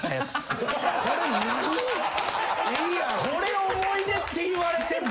これ思い出っていわれても。